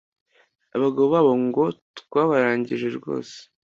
Abagabo babo ngo twabarangije rwose